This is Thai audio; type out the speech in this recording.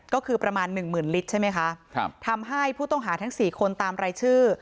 ก็คือประมาณ๑๐๐๐๐ลิตรใช่ไหมคะทำให้ผู้ต้องหาทั้ง๔คนตามรายชื่อ